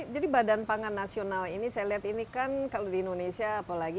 jadi badan pangan nasional ini saya lihat ini kan kalau di indonesia apalagi